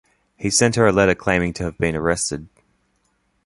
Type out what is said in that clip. He sent her a letter claiming to have been arrested.